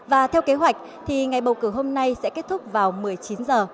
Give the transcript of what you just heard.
và theo kế hoạch thì ngày bầu cử hôm nay sẽ kết thúc vào một mươi chín giờ